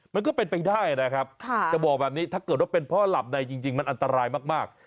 มันก็เป็นไปได้นะครับจะบอกแบบนี้ถ้าเกิดว่าเป็นพ่อหลับในจริงมันอันตรายมาก